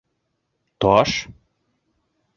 Таш?